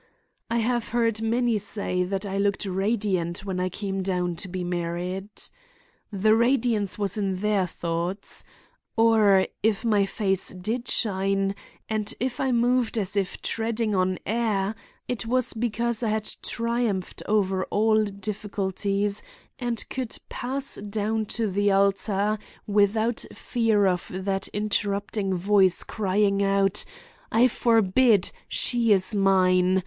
"I have heard many say that I looked radiant when I came down to be married. The radiance was in their thoughts. Or if my face did shine, and if I moved as if treading on air, it was because I had triumphed over all difficulties and could pass down to the altar without fear of that interrupting voice crying out: 'I forbid! She is mine!